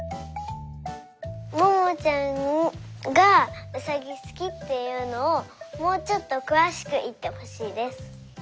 ももちゃんがうさぎすきっていうのをもうちょっとくわしくいってほしいです。